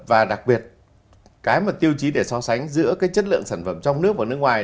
và đặc biệt cái mà tiêu chí để so sánh giữa cái chất lượng sản phẩm trong nước và nước ngoài